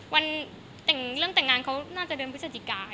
วันแต่งงานเขาน่าจะเดินพฤศจิกายก่อน